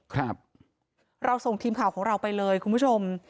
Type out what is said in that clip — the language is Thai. ครับเราส่งทีมข่าวของเราไปเลยคุณผู้ชม